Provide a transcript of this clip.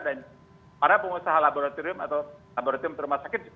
dan para pengusaha laboratorium atau laboratorium terumah sakit